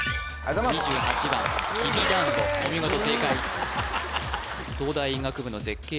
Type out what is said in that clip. お見事正解東大医学部の絶景